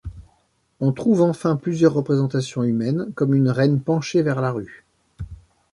On trouve enfin plusieurs représentations humaines, comme une reine penchée vers la rue.